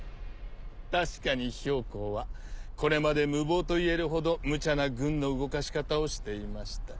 確かに公はこれまで無謀と言えるほどむちゃな軍の動かし方をしていました。